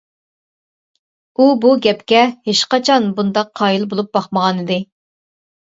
ئۇ بۇ گەپكە ھېچقاچان بۇنداق قايىل بولۇپ باقمىغانىدى.